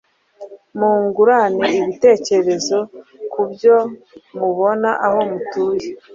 Mungurane ibitekerezo ku byo mubona aho mutuye